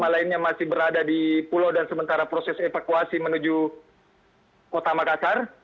lima lainnya masih berada di pulau dan sementara proses evakuasi menuju kota makassar